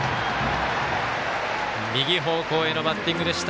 右方向へのバッティングでした。